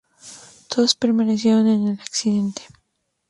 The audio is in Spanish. Todos perecieron en el accidente.